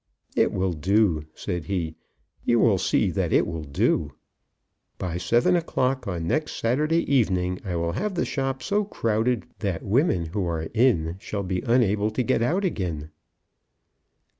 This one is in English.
"It will do," said he. "You will see that it will do. By seven o'clock on next Saturday evening I will have the shop so crowded that women who are in shall be unable to get out again."